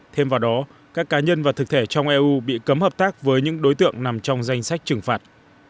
thêm vào đó các cá nhân và thực thể trong eu bị cấm hợp tác với những đối tượng nằm trong danh sách trừng phạt